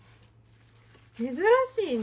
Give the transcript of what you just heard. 珍しいね